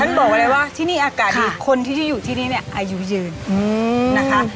ท่านบอกว่าอะไรว่าที่นี่อากาศดีคนที่อยู่ที่นี่เนี่ยอายุเยินนะคะ